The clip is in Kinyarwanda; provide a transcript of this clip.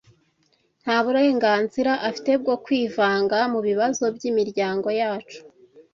Nta burenganzira afite bwo kwivanga mu bibazo byimiryango yacu.